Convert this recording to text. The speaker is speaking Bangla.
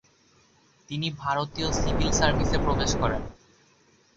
তিনি ভারতীয় সিভিল সার্ভিসে প্রবেশ করেন।